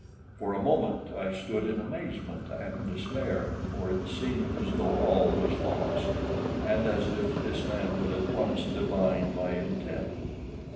For a moment I stood in amazement and despair, for it seemed as though all was lost, and as if this man would at once divine my intent.